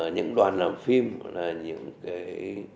những đoàn làm phim là những cái